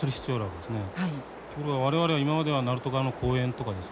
ところが我々は今までは鳴門側の公園とかですね